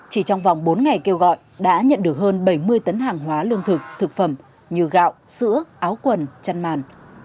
chỉ trong vòng bốn ngày kêu gọi đã nhận được hơn bảy mươi tấn hàng hóa lương thực thực phẩm như gạo sữa áo quần chăn màn